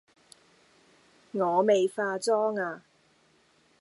我未化妝呀